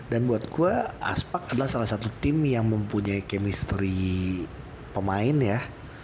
dan buat gue aspak adalah salah satu tim yang mempunyai chemistry pemain ya